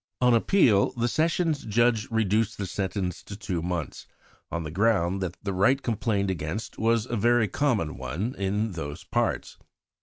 On appeal, the Sessions Judge reduced the sentence to two months, on the ground that the rite complained against was a very common one in those parts.